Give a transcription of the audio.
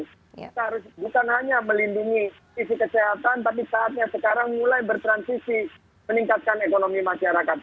kita harus bukan hanya melindungi sisi kesehatan tapi saatnya sekarang mulai bertransisi meningkatkan ekonomi masyarakat